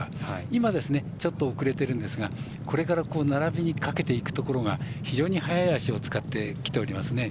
今、ちょっと遅れているんですがこれから並びかけているところが非常に速い脚を使ってきておりますね。